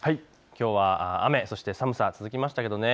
きょうは雨、そして寒さが続きましたけどね。